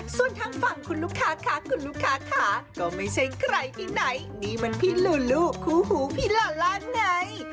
ส่วนทางฝั่งคุณลูกค้าค่ะคุณลูกค้าค่ะก็ไม่ใช่ใครที่ไหนนี่มันพี่ลูลูคู่หูพี่หล่อล่าไง